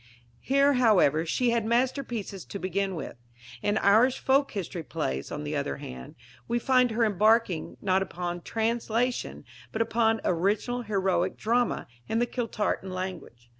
Here, however, she had masterpieces to begin with. In Irish Folk History Plays, on the other hand, we find her embarking, not upon translation, but upon original heroic drama, in the Kiltartan language.